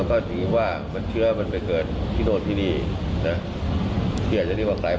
แล้วแกไม่รู้อะไร